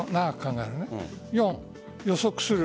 ４、予測する。